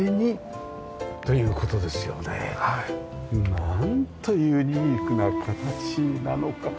なんというユニークな形なのか。